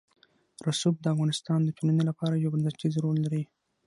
رسوب د افغانستان د ټولنې لپاره یو بنسټيز رول لري.